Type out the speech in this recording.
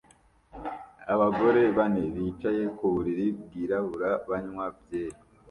Abagore bane bicaye ku buriri bwirabura banywa byeri